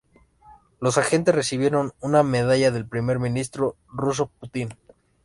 Los agentes recibieron una medalla del Primer Ministro ruso Putin.